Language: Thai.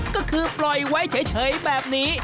ก็คือปล่อยไว้เฉยแบบนี้